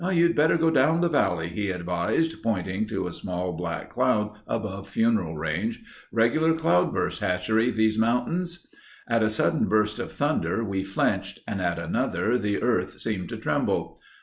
"You'd better go down the valley," he advised, pointing to a small black cloud above Funeral Range. "Regular cloudburst hatchery—these mountains." At a sudden burst of thunder we flinched and at another the earth seemed to tremble.